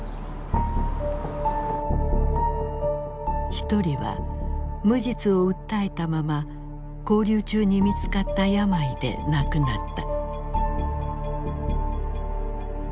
一人は無実を訴えたまま勾留中に見つかった病で亡くなった。